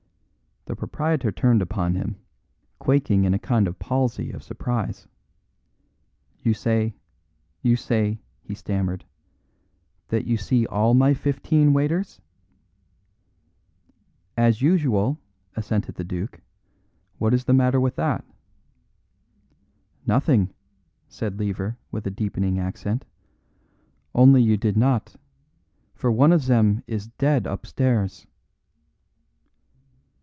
The proprietor turned upon him, quaking in a kind of palsy of surprise. "You say you say," he stammered, "that you see all my fifteen waiters?" "As usual," assented the duke. "What is the matter with that!" "Nothing," said Lever, with a deepening accent, "only you did not. For one of zem is dead upstairs."